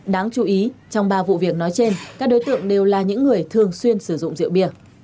đáng chú ý trong ba vụ việc nói trên các đối tượng đều là những người thường xuyên sử dụng rượu bia